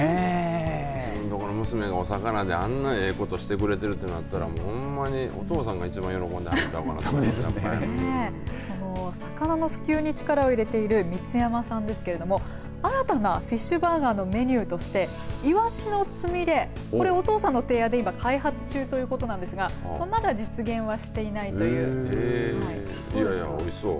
自分の娘がお魚であんなええことしてくれているとなったらほんまにお父さんが一番魚の普及に力を入れている光山さんですけれども新たなフィッシュバーガーのメニューとしていわしのつみれこれお父さんの提案で今開発中ということなんですがいわし、おいしそう。